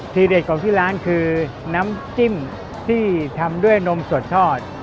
เด็ดของที่ร้านคือน้ำจิ้มที่ทำด้วยนมสดทอด